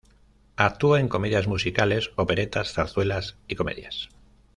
Actúa en comedias musicales, operetas, zarzuelas y comedias.